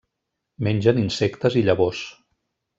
Mengen insectes i llavors.